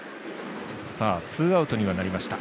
ツーアウトにはなりました。